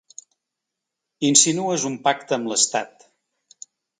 Insinues un pacte amb l’estat.